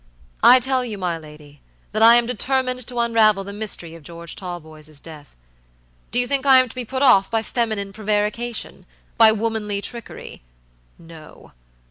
I tell you, my lady, that I am determined to unravel the mystery of George Talboy's death. Do you think I am to be put off by feminine prevaricationby womanly trickery? No!